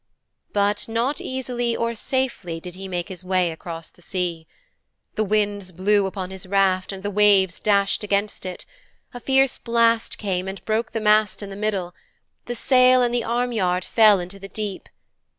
But not easily or safely did he make his way across the sea. The winds blew upon his raft and the waves dashed against it; a fierce blast came and broke the mast in the middle; the sail and the arm yard fell into the deep.